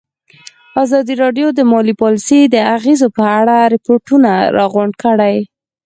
ازادي راډیو د مالي پالیسي د اغېزو په اړه ریپوټونه راغونډ کړي.